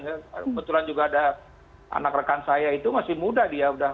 kebetulan juga ada anak rekan saya itu masih muda dia